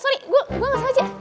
sorry gue gak sama aja